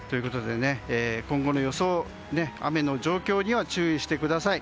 今後の雨の状況には注意してください。